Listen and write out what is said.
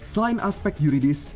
selain aspek yuridis